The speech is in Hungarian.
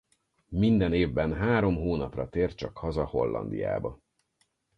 Minden évben három hónapra tért csak haza Hollandiába.